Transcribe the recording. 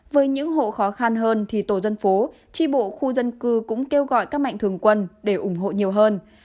với những hộ khó khăn hơn thì tổ dân phố tri bộ khu dân cư cũng kêu gọi các mạnh thường quân để ủng hộ nhiều hơn